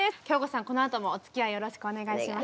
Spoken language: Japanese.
このあともおつきあいよろしくお願いします。